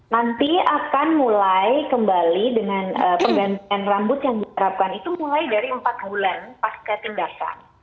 nanti akan mulai kembali dengan penggantian rambut yang diharapkan itu mulai dari empat bulan pasca tindakan